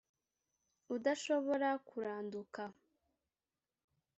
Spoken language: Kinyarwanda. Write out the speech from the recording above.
Udashobora kuranduka